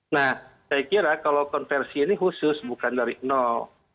nah saya kira kalau konversi ini khusus bukan dari nol